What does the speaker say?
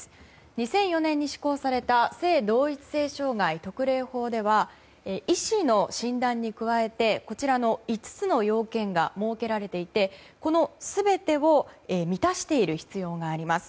２００４年に施行された性同一性障害特例法では医師の診断に加えてこちらの５つの要件が設けられていてこの全てを満たしている必要があります。